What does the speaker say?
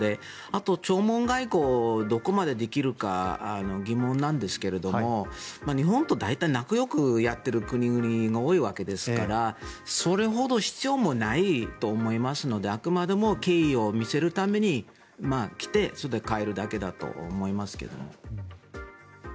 あと、弔問外交をどこまでできるか疑問なんですけれども日本と大体仲よくやっている国々が多いわけですからそれほど必要もないと思いますのであくまでも敬意を見せるために来て帰るだけだと思いますけれども。